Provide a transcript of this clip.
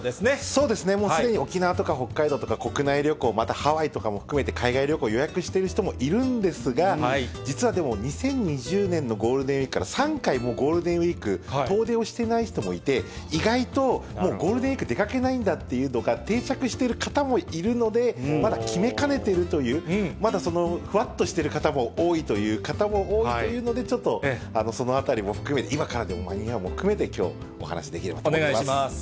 そうですね、もうすでに沖縄とか北海道とか国内旅行、ハワイとかも含めて、海外旅行、予約している人もいるんですが、実はでも、２０２０年のゴールデンウィークから３回ゴールデンウィーク、遠出をしていない人もいて、意外ともう、ゴールデンウィーク出かけないんだっていうのが定着している方もいるので、まだ決めかねているという、まだその、ふわっとしてる方も多いという方も多いというのでちょっと、そのあたりも含めて、今からでも間に合うかも含めて、お願いします。